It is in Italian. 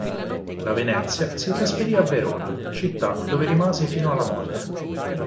Da Venezia si trasferì a Verona, città dove rimase fino alla morte.